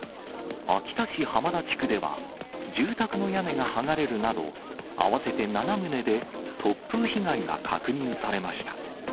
秋田市浜田地区では、住宅の屋根が剥がれるなど、合わせて７棟で突風被害が確認されました。